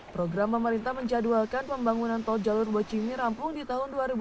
program pemerintah menjadwalkan pembangunan tol jalur bocimi rampung di tahun dua ribu dua puluh